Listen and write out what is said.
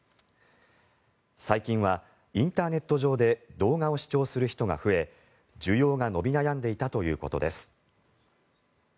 最近はインターネット上で動画を視聴する人が増え需要が伸び悩んでいたということです。